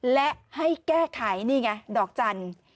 และให้แก้ไขนี่ไงดอกจันทร์